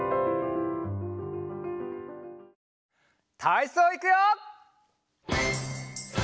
たいそういくよ！